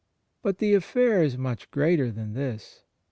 But the affair is much greater than this.